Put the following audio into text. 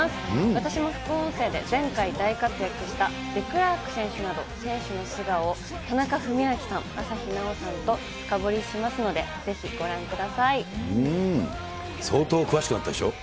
私も副音声で前回大活躍したデクラーク選手など、選手の素顔を、田中史朗さん、朝日奈央さんと深掘りしますので、ぜひご覧くださ相当詳しくなったでしょう。